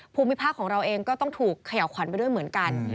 ภูมิภาคของเราเองก็ต้องถูกเขย่าขวัญไปด้วยเหมือนกัน